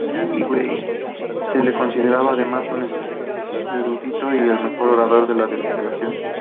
Se lo consideraba además un erudito y el mejor orador de la delegación.